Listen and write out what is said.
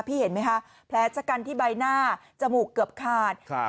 เห็นไหมคะแผลชะกันที่ใบหน้าจมูกเกือบขาดครับ